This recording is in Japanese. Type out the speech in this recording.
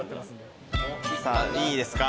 さあいいですか？